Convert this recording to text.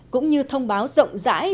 cũng như thông báo rộng rãi